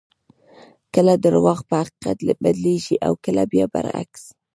کله درواغ په حقیقت بدلېږي او کله بیا برعکس.